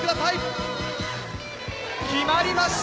決まりました！